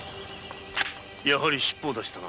やはりシッポを出したな。